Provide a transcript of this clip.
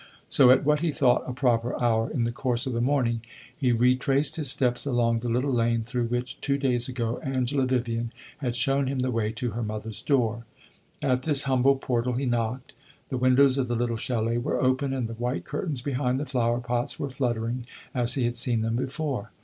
So, at what he thought a proper hour, in the course of the morning, he retraced his steps along the little lane through which, two days ago, Angela Vivian had shown him the way to her mother's door. At this humble portal he knocked; the windows of the little chalet were open, and the white curtains, behind the flower pots, were fluttering as he had seen them before.